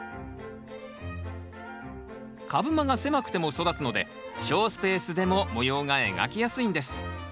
株間が狭くても育つので小スペースでも模様が描きやすいんです。